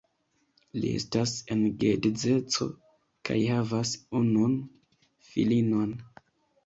Li estas en geedzeco kaj havas unun filinon.